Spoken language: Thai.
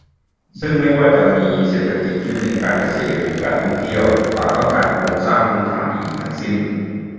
ซึ่งไม่ว่าจะมีเศรษฐกิจที่เน้นการเกษตร หรือ การท่องเที่ยว ต่างต้องการโครงสร้างพื้นฐานที่ดีทั้งสิ้น